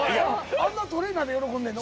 あんなトレーナーで喜んでんの？